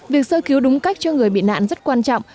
việc sơ cứu đúng cách cho người bị nạn rất quan trọng